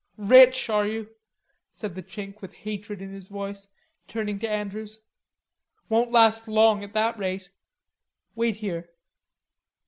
"Rich, are you?" said the Chink with hatred in his voice, turning to Andrews. "Won't last long at that rate. Wait here."